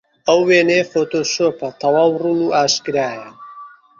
ئەو وێنەیە فۆتۆشۆپە، تەواو ڕوون و ئاشکرایە.